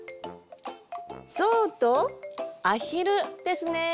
ゾウとアヒルですね。